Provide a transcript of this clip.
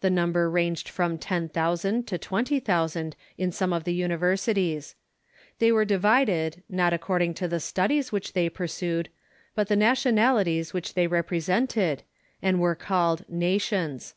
The number ranged from ten thousand to twenty thousand in some of the univ(;rsities. 'llif^y were divided, not according to the studies which they pursued, but the national ities which they represented, and were called Nations.